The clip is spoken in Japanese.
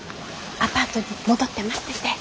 アパートに戻って待ってて。